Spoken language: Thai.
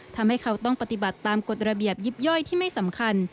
ทำให้เขาต้องปฏิบัติตามกฎระเบียบยิบย่อยที่ไม่สำคัญ